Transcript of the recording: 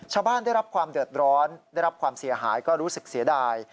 ชาวบ้านได้รับความเดือดร้อนได้รับความเสียหายก็รู้สึกเสียดาย